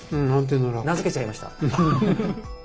名付けちゃいました。